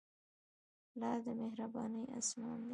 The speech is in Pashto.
پلار د مهربانۍ اسمان دی.